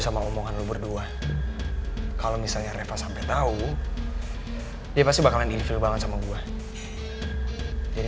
sama omongan lu berdua kalau misalnya refah sampai tahu dia pasti bakalan infil banget sama gue jadi